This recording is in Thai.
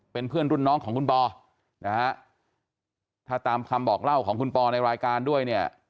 เป็นเพื่อนรุ่นน้องของคุณปอนะฮะถ้าตามคำบอกเล่าของคุณปอในรายการด้วยเนี่ย